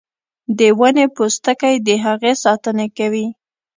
د ونې پوستکی د هغې ساتنه کوي